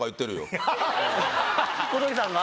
小峠さんが？